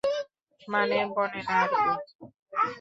মানে, বনে না আরকি।